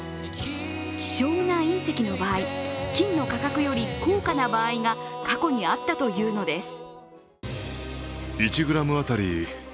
希少ないん石の場合、金の価格より高価な場合が過去にあったというのです。